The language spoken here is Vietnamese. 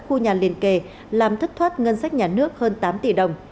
khu nhà liền kề làm thất thoát ngân sách nhà nước hơn tám tỷ đồng